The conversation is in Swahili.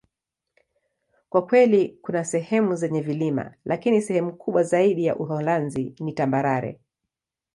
Kwa kweli, kuna sehemu zenye vilima, lakini sehemu kubwa zaidi ya Uholanzi ni tambarare.